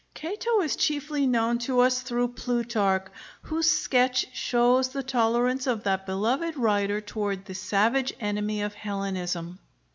Cato is chiefly known to us through Plutarch, whose sketch shows the tolerance of that beloved writer toward the savage enemy of Hellenism.